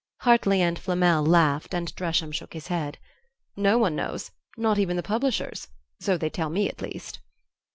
Hartly and Flamel laughed and Dresham shook his head. "No one knows; not even the publishers; so they tell me at least."